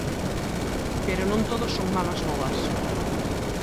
Pero non todo son malas novas.